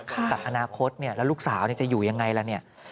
ตัดอนาคตแล้วลูกสาวจะอยู่อย่างไรล่ะ